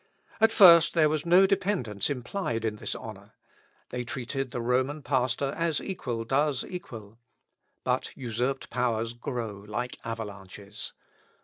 At first there was no dependence implied in this honour. They treated the Roman pastor as equal does equal; but usurped powers grow like avalanches.